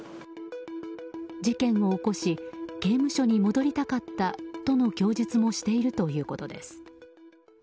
事件を起こし刑務所に戻りたかったとの供述もしているということです。